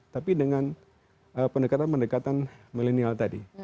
tapi dengan pendekatan pendekatan milenial tadi